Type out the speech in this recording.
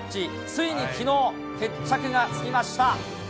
ついにきのう、決着がつきました。